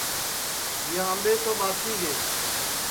یہ آمٻے تو ٻاسی گے